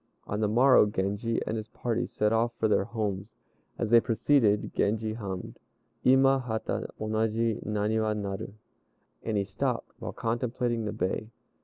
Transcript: On the morrow Genji and his party set off for their homes. As they proceeded Genji hummed, "Ima hata onaji Naniwa nal," and he stopped, while contemplating the bay.